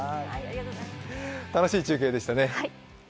楽しい中継でしたね。